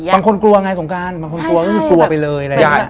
บางคนกลัวไงสงการบางคนกลัวไปเลย